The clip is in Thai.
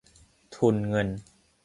ทุนเงิน